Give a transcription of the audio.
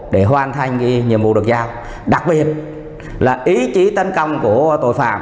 để hoàn thành nhiệm vụ được giao đặc biệt là ý chí tấn công của tội phạm